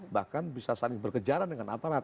bahkan bisa saling berkejaran dengan aparat